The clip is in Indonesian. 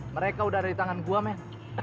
mereka udah ada di tangan gua me